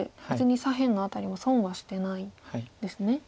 別に左辺の辺りも損はしてないですね。